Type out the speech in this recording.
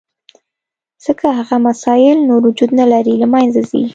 ځکه هغه مسایل نور وجود نه لري، له منځه ځي.